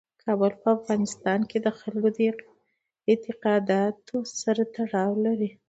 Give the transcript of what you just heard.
کابل په افغانستان کې د خلکو د اعتقاداتو سره تړاو لري.